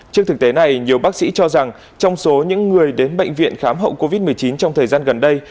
trước thực tế này nhiều bác sĩ cho rằng trong số những người đến bệnh viện khám hậu covid một mươi chín trong thời gian gần đây